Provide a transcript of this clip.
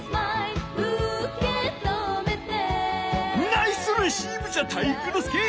ナイスレシーブじゃ体育ノ介！